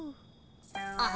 あ。